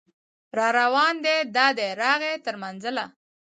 راروان دی دا دی راغی تر منزله